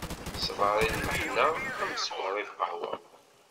Ṣṣbeṛ i lmeḥna, am sskeṛ i lqahwa.